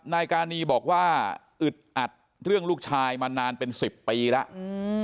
นายกานีบอกว่าอึดอัดเรื่องลูกชายมานานเป็นสิบปีแล้วอืม